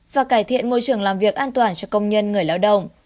và cải thiện môi trường làm việc an toàn cho công nhân người lao động